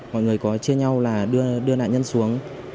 mọi người có chia nhau là đưa nạn nhân xuống